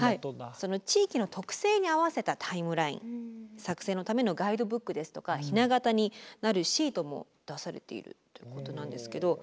その地域の特性に合わせたタイムライン作成のためのガイドブックですとかひな型になるシートも出されているということなんですけど。